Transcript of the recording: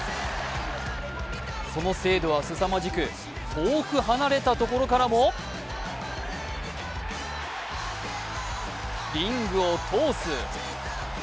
その精度はすさまじく遠く離れた所からもリングを通す。